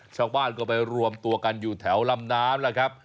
ชาวบ้านก็ไปรวมตัวกันอยู่แถวลำน้ำแล้วครับ